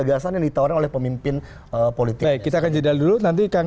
justru kelompok adalah